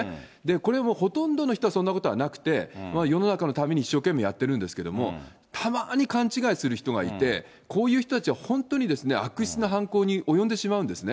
これもほとんどの人はそんなことなくて、世の中のために一生懸命やってるんですけど、たまに勘違いする人がいて、こういう人たちは本当にですね、悪質な犯行に及んでしまうんですね。